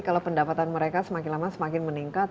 kalau pendapatan mereka semakin lama semakin meningkat